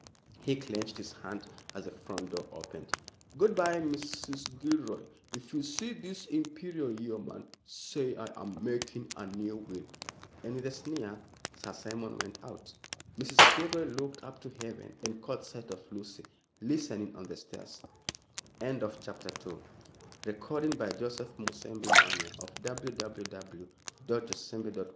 He clenched his hand as the front door opened. "Good bye, Mrs. Gilroy, if you see this Imperial Yeoman, say I am making a new will," and with a sneer Sir Simon went out. Mrs. Gilroy looked up to heaven and caught sight of Lucy listening on the stairs. CHAPTER III THE WILL Mr. Durham was a smart young lawyer of the new school.